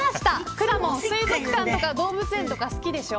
くらもん、水族館とが動物園とか好きでしょ。